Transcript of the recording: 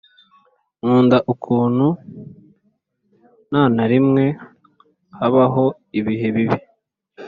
nkunda ukuntu nta na rimwe habaho ibihe bibi